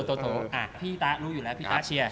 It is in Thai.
โถพี่ตะรู้อยู่แล้วพี่ตะเชียร์